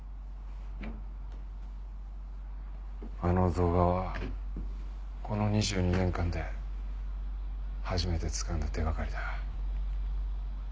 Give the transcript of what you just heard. あの動画はこの２２年間で初めてつかんだ手掛かりだ。